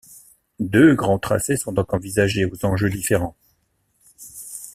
Deux grands tracés sont donc envisagés, aux enjeux différents.